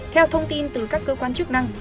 theo thông tin từ các cơ quan chức năng